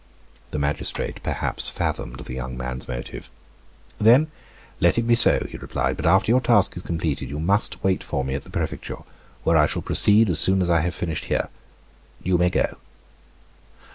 The magistrate perhaps fathomed the young man's motive. "Then, let it be so," he replied, "but after your task is completed you must wait for me at the prefecture, where I shall proceed as soon as I have finished here. You may go."